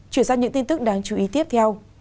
chuyển sang những tin tức đáng chú ý tiếp theo